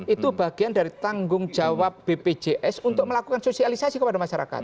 itu bagian dari tanggung jawab bpjs untuk melakukan sosialisasi kepada masyarakat